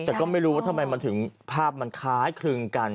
แต่ก็ไม่รู้ว่าทำไมมันถึงภาพมันคล้ายคลึงกัน